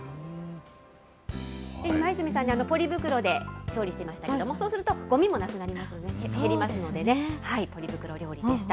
今泉さん、ポリ袋で調理していましたけれども、そうすると、ごみもなくなりますよね、減りますのでね、ポリ袋料理でした。